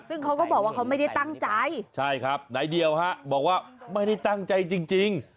ซึ่งเขาก็บอกว่าเขาไม่ได้ตั้งใจใช่ครับนายเดียวฮะบอกว่าไม่ได้ตั้งใจจริง